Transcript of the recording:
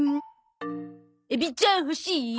エビちゃん欲しい？